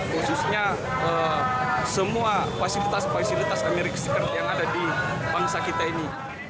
khususnya semua fasilitas fasilitas amerika serikat yang ada di bangsa kita ini